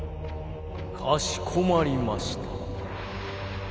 「かしこまりました」。